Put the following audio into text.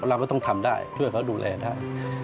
เราก็ต้องทำได้ช่วยเขาดูแลได้